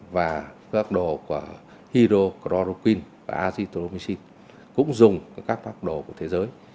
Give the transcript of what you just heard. và phác đồ của hydrochloroquine và azithromycin cũng dùng các phác đồ của thế giới